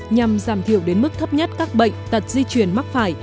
nhằm giảm thiểu đến mức thấp nhất các bệnh tật di chuyển mắc phải